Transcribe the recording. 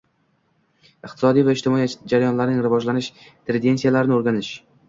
iqtisodiy va ijtimoiy jarayonlarning rivojlanish tendensiyalarini o`rganish